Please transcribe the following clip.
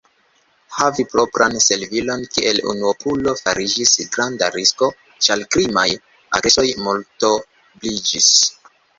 Havi propran servilon kiel unuopulo fariĝis granda risko, ĉar krimaj agresoj multobliĝis.